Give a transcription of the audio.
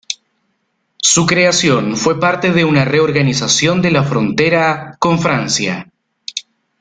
Su creación fue parte de una reorganización de la frontera con Francia.